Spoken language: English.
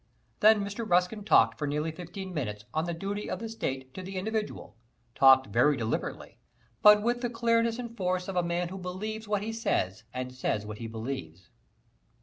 Then Mr. Ruskin talked for nearly fifteen minutes on the duty of the State to the individual talked very deliberately, but with the clearness and force of a man who believes what he says and says what he believes.